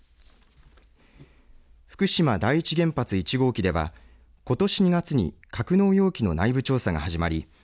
福島第一原発１号機ではことし２月に格納容器の内部調査が始まり